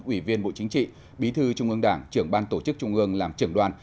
ủy viên bộ chính trị bí thư trung ương đảng trưởng ban tổ chức trung ương làm trưởng đoàn